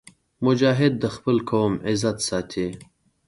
مجاهد د خپل قوم عزت ساتي.